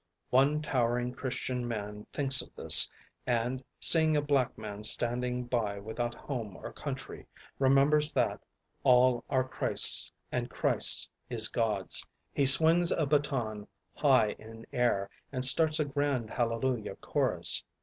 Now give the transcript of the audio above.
One towering Christian man thinks of this, and seeing a black man standing by without home or country remembers that "all are Christ's and Christ's is God's." He swings a baton high in air and starts a grand hallelujah chorus.